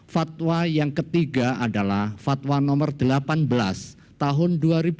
fatwa yang ketiga adalah fatwa nomor delapan belas tahun dua ribu dua puluh